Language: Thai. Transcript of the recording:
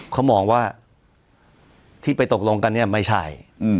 เขามองว่าที่ไปตกลงกันเนี่ยไม่ใช่